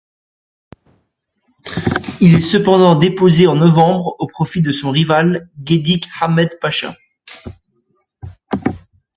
Il est cependant déposé en novembre au profit de son rival Gedik Ahmed Pacha.